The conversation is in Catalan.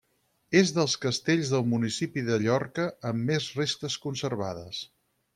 És dels castells del municipi de Llorca amb més restes conservades.